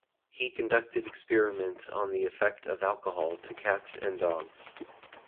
He conducted experiments on the effect of alcohol to cats and dogs.